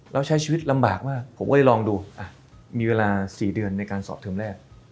แล้วใช้ชีวิตลำบากมากผมก็เลยลองดูมีเวลา๔เดือนในการสอบเทอมแรก